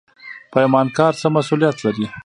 پیمانکار څه مسوولیت لري؟